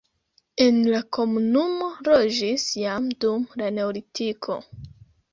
En la komunumo loĝis jam dum la neolitiko.